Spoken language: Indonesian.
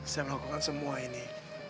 saya melakukan semua ini